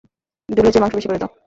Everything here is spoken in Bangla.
ঝোলের চেয়ে মাংস বেশি করে দাও।